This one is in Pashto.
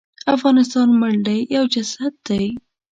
افغانستان مړ دی یو جسد دی.